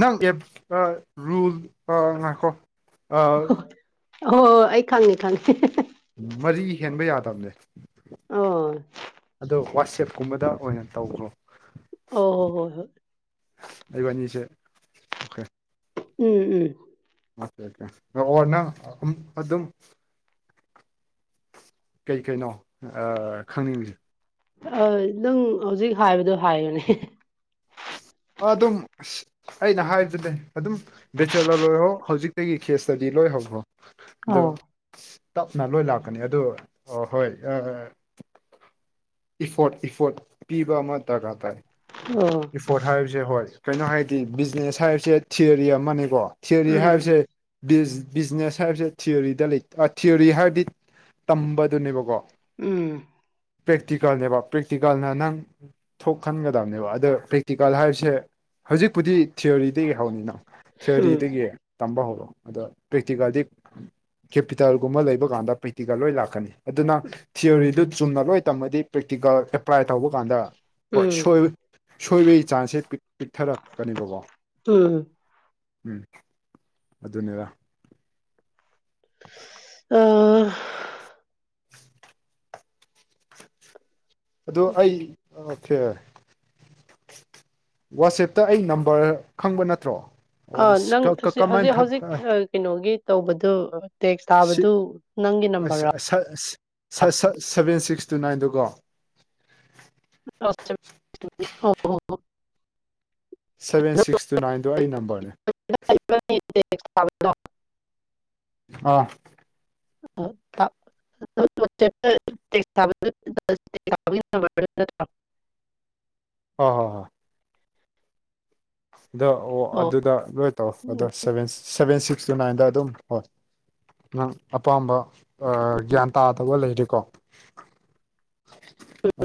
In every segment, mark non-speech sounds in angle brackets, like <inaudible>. ꯅꯪ app rule ꯉꯥꯏꯈꯣ ꯑꯣ ꯑꯣ ꯑꯩ ꯈꯪꯅꯤ ꯈꯪꯉꯦ ꯃꯔꯤ ꯍꯦꯟꯕ ꯌꯥꯗꯕꯅꯦ ꯑꯣ ꯑꯗꯣ ꯋꯥꯆꯦꯞꯀꯨꯝꯕꯗ ꯑꯣꯏꯅ ꯇꯈ꯭ꯔꯣ ꯑꯣ ꯍꯣ ꯍꯣꯏ ꯍꯣꯏ ꯂꯩꯕꯥꯅꯤꯁꯦ ꯑꯣꯀꯦ ꯎꯝ ꯎꯝ ꯑꯣꯀꯦ ꯑꯣꯀꯦ ꯑꯣꯅ ꯑꯗꯨꯝ ꯀꯩ ꯀꯩꯅꯣ ꯈꯪꯅꯤꯡꯉꯁꯦ ꯑ ꯅꯪ ꯍꯧꯖꯤꯛ ꯍꯥꯏꯕꯗꯣ ꯍꯥꯏꯌꯨꯅꯦ ꯑꯗꯨꯝ ꯑ ꯑꯩꯅ ꯍꯥꯏꯕꯗꯨꯗꯤ ꯑꯗꯨꯝ ꯕꯦꯆꯦꯂꯔ ꯑꯣꯏꯣꯏꯔꯣ ꯍꯧꯖꯤꯛ ꯑꯩꯒꯤ ꯀꯦꯁꯇꯗꯤ ꯂꯣꯏ ꯍꯧꯈ꯭ꯔꯣ ꯑꯣ ꯑꯧ ꯇꯞꯅ ꯂꯣꯏ ꯂꯥꯛꯀꯅꯤ ꯑꯗꯨꯣ ꯍꯣꯏ ꯏꯐꯣꯔꯠ ꯏꯐꯣꯔꯠ ꯄꯤꯕ ꯑꯃ ꯗꯔꯀꯥꯔ ꯇꯥꯏ ꯑꯣ ꯏꯁꯣꯔꯠ ꯍꯥꯏꯕꯁꯦ ꯍꯣꯏ ꯀꯩꯅꯣ ꯍꯥꯏꯗꯤ ꯕꯤꯖꯤꯅꯦꯁ ꯍꯥꯏꯕꯁꯦ ꯊꯤꯌꯣꯔꯤ ꯑꯃꯅꯦꯀꯣ ꯊꯤꯌꯔꯤ ꯎꯝ ꯍꯥꯏꯕꯁꯦ ꯕꯤꯅꯦꯁ ꯍꯥꯏ ꯊꯤꯌꯔꯤꯗ ꯂꯩ ꯊꯤꯌꯔꯤ ꯍꯥꯏꯔꯗꯤ ꯇꯝꯕꯗꯨꯅꯦꯕꯀꯣ ꯎꯝ ꯄ꯭ꯔꯦꯛꯇꯤꯀꯦꯜꯅꯦꯕ ꯄ꯭ꯔꯦꯛꯇꯤꯀꯦꯜꯅ ꯅꯪ ꯊꯣꯛ ꯈꯟꯒꯗꯕꯅꯦꯕ ꯑꯗ ꯄ꯭ꯔꯦꯛꯇꯤꯀꯦꯜ ꯍꯥꯏꯕꯁꯦ ꯍꯧꯖꯤꯛꯄꯨꯗꯤ ꯊꯤꯌꯣꯔꯤꯗꯒꯤ ꯍꯧꯅꯤꯅ ꯎꯝ ꯊꯤꯑꯣꯔꯤꯗꯒꯤ ꯇꯝꯕ ꯍꯧꯔꯣ ꯑꯗꯣ ꯄ꯭ꯔꯦꯛꯇꯤꯀꯦꯜꯗꯤ ꯀꯦꯄꯤꯇꯜꯒꯨꯝꯕ ꯂꯩꯕ ꯀꯥꯟꯗ ꯄ꯭ꯔꯦꯛꯇꯤꯀꯦꯜ ꯂꯣꯏ ꯂꯥꯛꯀꯅꯤ ꯑꯗꯨꯅ ꯊꯤꯑꯣꯣꯔꯤꯗꯨ ꯆꯨꯝꯅ ꯂꯣꯏ ꯇꯝꯃꯗꯤ ꯄ꯭ꯔꯦꯛꯇꯤꯀꯦꯜ ꯑꯦꯄ꯭ꯂꯥꯏ ꯇꯧꯕ ꯀꯥꯟꯗ ꯍꯣꯏ ꯎꯝ ꯎꯝ ꯁꯣꯏ ꯑꯁꯣꯏꯕꯒꯤ ꯆꯥꯟꯁꯁꯦ ꯄꯤꯛꯊꯔꯛꯀꯅꯦꯕꯀꯣ ꯎꯝ ꯎꯝ ꯑꯗꯨꯅꯦꯕ ꯑ <inaudible> ꯑꯗꯨ ꯑꯩ ꯐꯦ ꯋꯥꯆꯦꯞꯇ ꯑꯩ ꯅꯝꯕꯔ ꯈꯪꯕ ꯅꯠꯇ꯭ꯔꯣ ꯑꯥ ꯅꯪ ꯑꯣ ꯀꯃꯥꯏꯅ ꯍꯧꯖꯤꯛ ꯊꯛ ꯍꯧꯖꯤꯛ ꯀꯩꯅꯣꯒꯤ ꯇꯧꯕꯗꯨꯣ ꯇꯦꯛꯁ ꯊꯥꯕꯗꯨ ꯅꯪꯒꯤ ꯅꯝꯕꯔ ꯁ ꯁꯚꯦꯟ ꯁꯤꯛꯁ ꯇꯨ ꯅꯥꯏꯟꯗꯨꯀꯣ ꯍ ꯍꯣ ꯁꯚꯦꯟ ꯁꯤꯛꯁ ꯇꯨ ꯅꯥꯏꯟꯗꯣ ꯑꯩ ꯅꯝꯕꯔꯅꯦ ꯣ <unintelligible> ꯑ ꯑ <unintelligible> ꯑꯣ ꯍꯣ ꯍ ꯑꯗ ꯑꯣ ꯑꯗꯨꯗ ꯂꯣꯏ ꯇꯧꯔ ꯑꯗꯣ ꯎꯝ, ꯁꯚꯦꯟ ꯁꯚꯦꯟ ꯁꯤꯛꯁ ꯇꯨ ꯅꯥꯏꯟꯗ ꯑꯗꯨꯝ ꯍꯣꯏ ꯅꯪ ꯑꯄꯥꯝꯕ ꯒ꯭ꯌꯥꯟ ꯇꯥꯗꯕ ꯂꯩꯔꯤꯀꯣ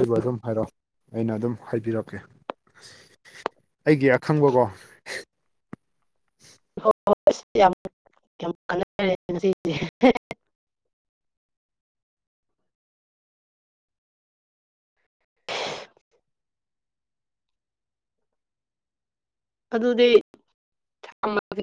ꯑꯩꯕꯨ ꯑꯗꯨꯝ ꯍꯥꯏꯔꯛꯑꯣ ꯑꯩꯅ ꯑꯗꯨꯝ ꯍꯥꯏꯕꯤꯔꯛꯀꯦ ꯑꯩꯒꯤ ꯑꯈꯪꯕꯀꯣ ꯍ ꯍ ꯌꯥꯝ ꯌꯥꯝ ꯐꯔꯦ ꯉꯁꯤꯁꯦ ꯑꯗꯨꯗꯤ ꯊꯃꯒꯦ